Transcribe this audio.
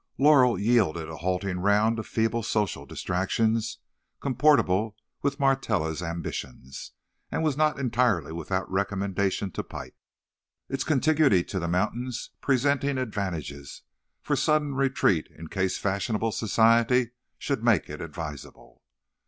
Laurel yielded a halting round of feeble social distractions comportable with Martella's ambitions, and was not entirely without recommendation to Pike, its contiguity to the mountains presenting advantages for sudden retreat in case fashionable society should make it advisable.